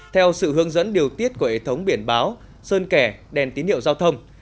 theo sự hướng dẫn điều tiết của ế thống biển báo sơn kẻ đèn tín hiệu giao thông